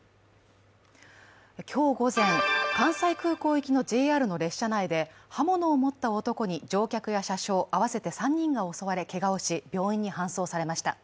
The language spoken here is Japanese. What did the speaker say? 今日午前、関西空港行きのＪＲの列車の車内で刃物を持った男に乗客や車掌合わせて３人が襲われけがをし、病院に搬送されました。